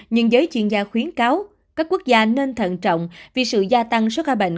nhưng giới chuyên gia khuyến cáo các quốc gia nên thận trọng vì sự gia tăng số ca bệnh